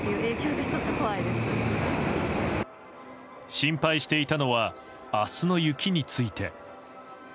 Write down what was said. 心配していたのは明日の雪について。